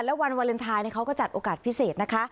แล้ววันวาเลนไทยเขาก็จัดโอกาสพิเศษนะคะ